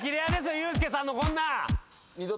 ユースケさんのこんな。